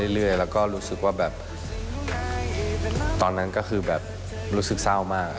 เรื่อยแล้วก็รู้สึกว่าแบบตอนนั้นก็คือแบบรู้สึกเศร้ามาก